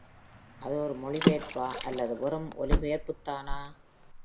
அது ஒரு மொழிபெயர்ப்பா, அல்லது வெறும் ஒலிபெயர்ப்புதானா?